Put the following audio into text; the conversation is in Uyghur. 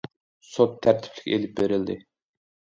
سوت تەرتىپلىك ئېلىپ بېرىلدى.